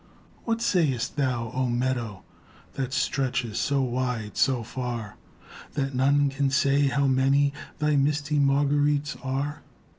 What sayest thou, Oh meadow, That stretches so wide, so far, That none can say how many Thy misty marguerites are?